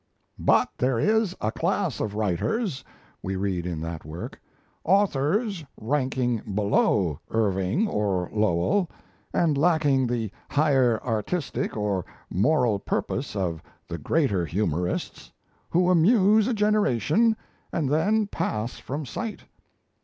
"But there is a class of writers," we read in that work, "authors ranking below Irving or Lowell, and lacking the higher artistic or moral purpose of the greater humorists, who amuse a generation and then pass from sight.